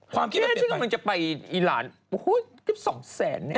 ความคิดว่าจะไปอีรานโอ้โฮแค่๒แสน